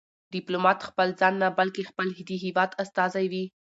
ډيپلومات خپل ځان نه، بلکې خپل د هېواد استازی وي.